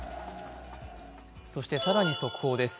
そして更に速報です。